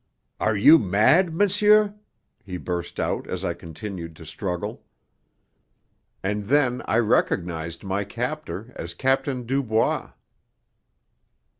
"Are you mad, monsieur?" he burst out as I continued to struggle. And then I recognized my captor as Captain Dubois.